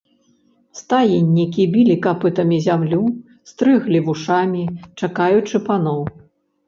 Стаеннікі білі капытамі зямлю, стрыглі вушамі, чакаючы паноў.